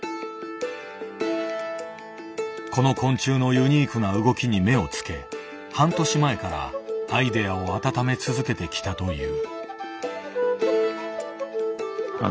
この昆虫のユニークな動きに目をつけ半年前からアイデアを温め続けてきたという。